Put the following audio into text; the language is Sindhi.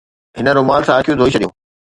هن رومال سان اکيون ڌوئي ڇڏيون.